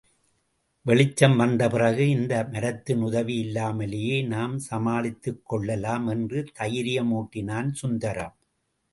வெளிச்சம் வந்த பிறகு இந்த மரத்தின் உதவி இல்லாமலேயே நாம் சமாளித்துக்கொள்ளலாம் என்று தைரியமூட்டினான் சுந்தரம்.